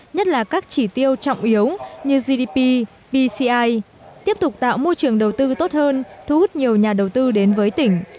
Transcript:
nhất là các chỉ tiêu trọng yếu như gdp bci tiếp tục tạo môi trường đầu tư tốt hơn thu hút nhiều nhà đầu tư đến với tỉnh